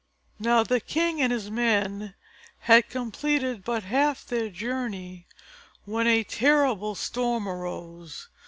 Now the king and his men had completed but half their journey when a terrible storm arose.